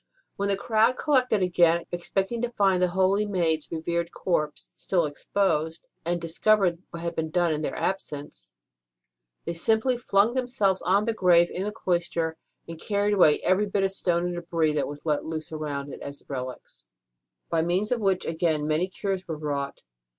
When the crowd collected again, expecting to find the holy maid s revered corpse still exposed, and discovered what had been done in their absence, they simply flung themselves on the grave in the cloister and carried away every bit of stone or debris that was let loose around it as relics, by means of which again many cures were wrought.